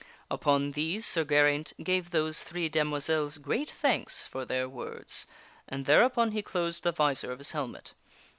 Upon these Sir Geraint gave those three demoiselles great thanks for their words, and thereupon he closed the visor of his helmet.